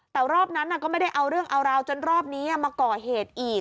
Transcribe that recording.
แต่รอบนั้นก็ไม่ได้เอาเรื่องเอาราวจนรอบนี้มาก่อเหตุอีก